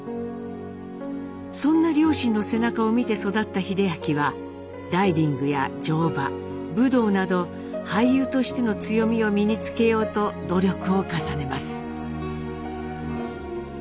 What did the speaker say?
そんな両親の背中を見て育った英明はダイビングや乗馬武道など俳優としての強みを身につけようと努力を重ねます。